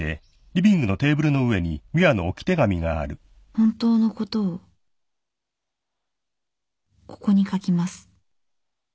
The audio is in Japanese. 「本当のことをここに書きます。